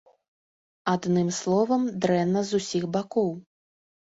Адным словам, дрэнна з усіх бакоў.